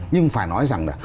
nhưng phải nói rằng là